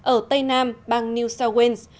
ở tây nam bang new south wales